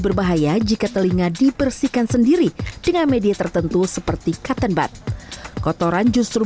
berbahaya jika telinga dibersihkan sendiri dengan media tertentu seperti cutton bud kotoran justru